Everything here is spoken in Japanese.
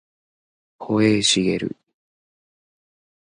保栄茂